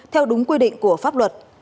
theo đúng quy định của pháp luật